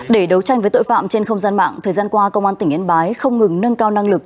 để đấu tranh với tội phạm trên không gian mạng thời gian qua công an tỉnh yên bái không ngừng nâng cao năng lực